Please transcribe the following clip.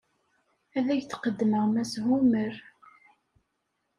Ad ak-d-qeddmeɣ Mass Hummer.